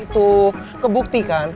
itu kebukti kan